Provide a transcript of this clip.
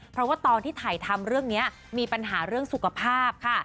เพราะว่าตอนที่ถ่ายทำเรื่องนี้มีปัญหาเรื่องสุขภาพค่ะ